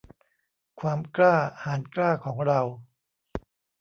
ความกล้าหาญกล้าของเรา